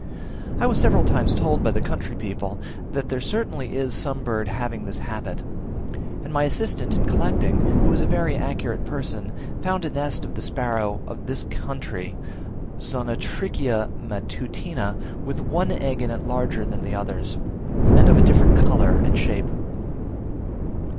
I was several times told by the country people that there certainly is some bird having this habit; and my assistant in collecting, who is a very accurate person, found a nest of the sparrow of this country (Zonotrichia matutina), with one egg in it larger than the others, and of a different colour and shape.